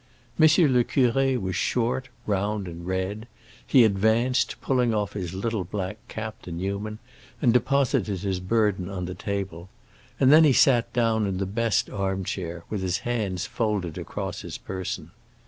M. le Curé was short, round, and red: he advanced, pulling off his little black cap to Newman, and deposited his burden on the table; and then he sat down in the best armchair, with his hands folded across his person.